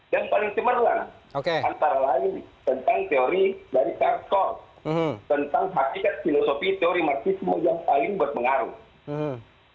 dan paling cemerlang antara lain tentang teori dari karl schorr tentang hakikat filosofi teori marxisme yang paling berpengaruh